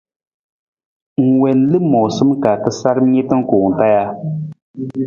Ng wiin lamoosa ka tasaram niita kuwung taa ja?